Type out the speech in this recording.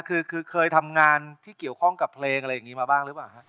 คือเคยทำงานที่เกี่ยวข้องกับเพลงอะไรอย่างนี้มาบ้างหรือเปล่าฮะ